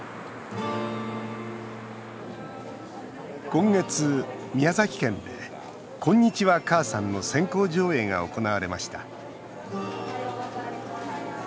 今月、宮崎県で「こんにちは、母さん」の先行上映が行われました。